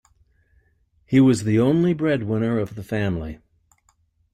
He was the only breadwinner of the family.